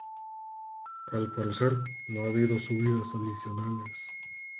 Al parecer, no ha habido subidas adicionales.